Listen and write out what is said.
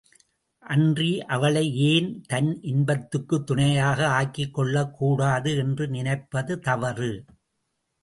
அன்றி அவளை ஏன் தன் இன்பத்துக்குத் துணையாக ஆக்கிக் கொள்ளக்கூடாது என்று நினைப்பது தவறு.